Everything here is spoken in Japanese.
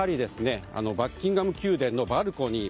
バッキンガム宮殿のバルコニー